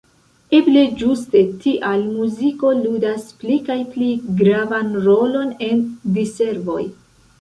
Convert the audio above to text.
Eble ĝuste tial muziko ludas pli kaj pli gravan rolon en diservoj.